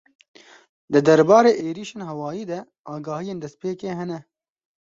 Di derbarê êrîşên hewayî de agahiyên destpêkê hene.